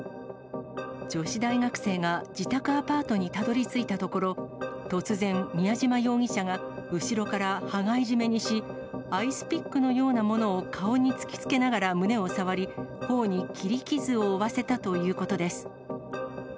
女子大学生が自宅アパートにたどりついたところ、突然、宮嶋容疑者が後ろから羽交い絞めにし、アイスピックのようなものを顔に突きつけながら胸を触り、ほおに切り傷を負わせたということです。